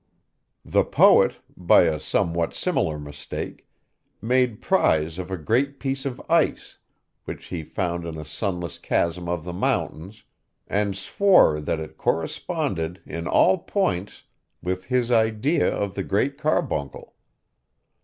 The poet, by a somewhat similar mistake, made prize of a great piece of ice, which he found in a sunless chasm of the mountains, and swore that it corresponded, in all points, with his idea of the Great Carbuncle.